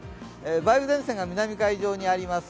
梅雨前線が南海上にあります。